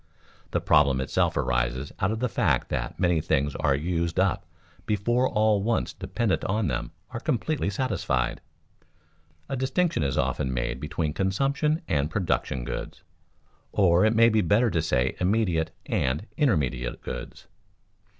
The problem itself arises out of the fact that many things are used up before all wants dependent on them are completely satisfied. A distinction is often made between consumption and production goods, or it may be better to say immediate and intermediate goods.